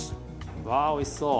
わおいしそう。